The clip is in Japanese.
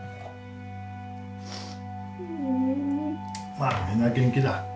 まあみんな元気だ。